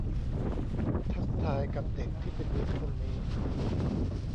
ทักทายกับเด็กที่เป็นมิตรคนนี้